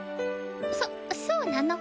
そそうなの？